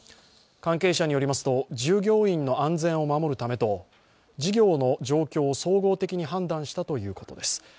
関係者によりますと、従業員の安全を守るためと事業の状況を総合的に判断したということです。